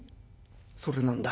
「それなんだ。